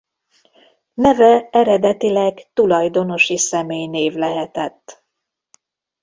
Neve eredetileg tulajdonosi személynév lehetett.